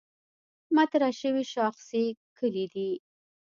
مطرح شوې شاخصې کُلي دي.